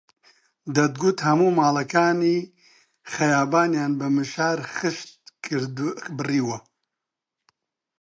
دەتگوت هەموو ماڵەکانی خەیابانیان بە مشار خشت بڕیوە